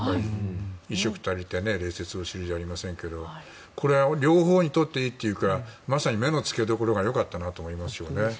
衣食足りて礼節を知るじゃありませんけどこれ、両方にとっていいというかまさに目の付けどころが良かったなと思いますよね。